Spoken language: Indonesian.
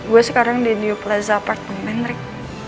gue sekarang di new plaza apartemen rik